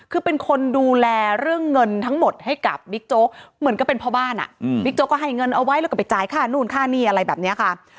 คือเป็นคนดูแลเรื่องเงินทั้งหมดให้กับบิ๊กโจ๊กเหมือนก็เป็นพ่อบ้านอ่ะบิ๊กโจ๊กก็ให้เงินเอาไว้แล้วก็ไปจ่ายค่านู่นค่านี่อะไรแบบนี้ค่ะ